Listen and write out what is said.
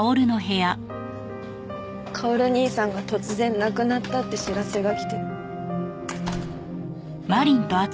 薫兄さんが突然亡くなったって知らせが来て。